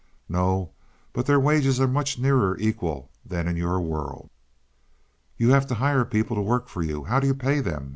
"No, but their wages are much nearer equal than in your world." "You have to hire people to work for you, how do you pay them?"